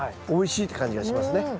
おいしいって感じがしますね。